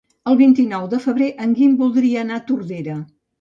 El vint-i-nou de febrer en Guim voldria anar a Tordera.